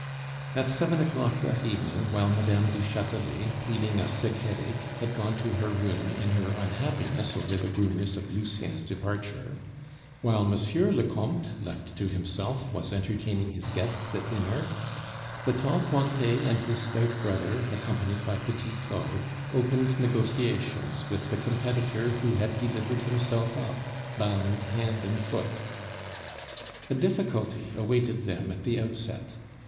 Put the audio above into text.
At seven o'clock that evening, while Mme. du Chatelet, pleading a sick headache, had gone to her room in her unhappiness over the rumors of Lucien's departure; while M. de Comte, left to himself, was entertaining his guests at dinner the tall Cointet and his stout brother, accompanied by Petit Claud, opened negotiations with the competitor who had delivered himself up, bound hand and foot. A difficulty awaited them at the outset.